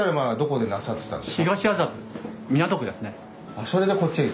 あそれでこっちへ。